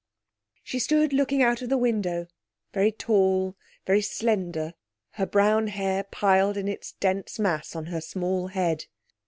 She stood looking out of the window, very tall, very slender, her brown hair piled in its dense mass on her small head.